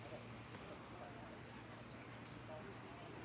เมื่อเวลาเมื่อเวลาเมื่อเวลา